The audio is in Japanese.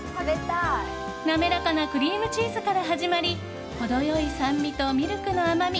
滑らかなクリームチーズから始まり程良い酸味とミルクの甘み